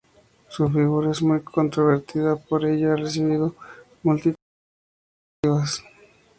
Su figura es muy controvertida, por ello ha recibido multitud de críticas negativas.